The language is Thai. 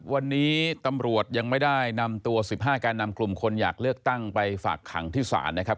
วันนี้ตำรวจยังไม่ได้นำตัว๑๕แก่นำกลุ่มคนอยากเลือกตั้งไปฝากขังที่ศาลนะครับ